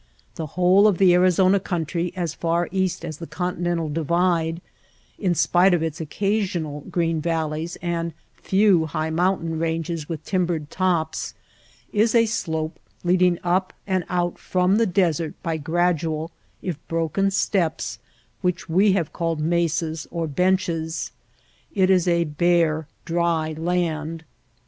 The whole of the Arizona country as far east as the Continental Divide, in spite of its occa sional green valleys and few high mountain ranges with timbered tops, is a slope leading up and out from the desert by gradual if broken steps which we have called mesas or benches. It is a bare, dry land.